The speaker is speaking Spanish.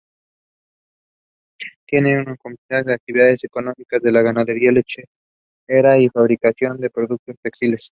Tienen como principales actividades económicas la ganadería lechera y la fabricación de productos textiles.